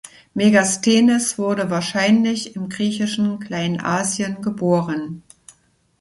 Megasthenes wurde wahrscheinlich im griechischen Kleinasien geboren.